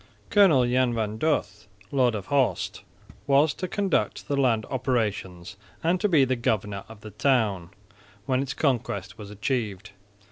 Colonel Jan van Dorth, lord of Horst, was to conduct the land operations and to be the governor of the town, when its conquest was achieved.